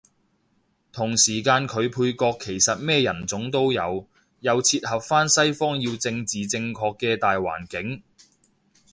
同時間佢配角其實咩人種都有，又切合返西方要政治正確嘅大環境